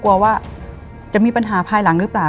กลัวว่าจะมีปัญหาภายหลังหรือเปล่า